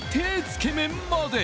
つけ麺まで